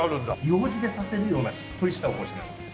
ようじで刺せるようなしっとりしたおこしなんです。